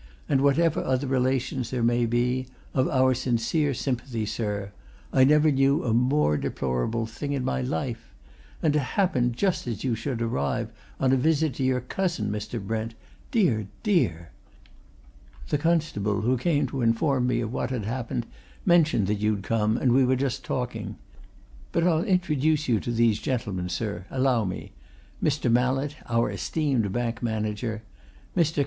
and whatever other relations there may be, of our sincere sympathy, sir I never knew a more deplorable thing in my life. And to happen just as you should arrive on a visit to your cousin, Mr. Brent dear, dear! The constable who came to inform me of what had happened mentioned that you'd come, and we were just talking But I'll introduce you to these gentlemen, sir; allow me Mr. Mallett, our esteemed bank manager. Mr.